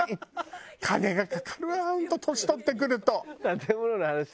金がかかるわ本当年取ってくると。